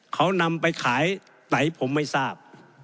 เขานำไปขายไหนผมไม่ทราบ